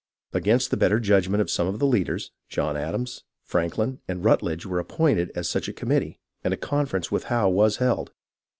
Against the better judgment of some of the leaders, John Adams, FrankHn, and Rutledge were ap pointed as such a committee, and a conference with Howe was held.